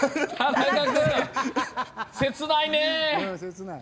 切ないね。